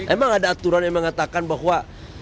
emang ada aturan yang mengatakan bahwa